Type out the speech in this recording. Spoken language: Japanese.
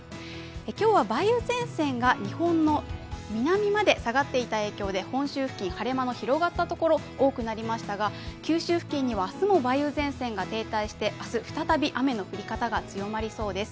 今日は梅雨前線が日本の南まで下がっていた影響で本州付近、晴れ間の広がったところが多くなりましたが九州付近には梅雨前線が滞在して明日、再び雨の降り方が強まりそうです。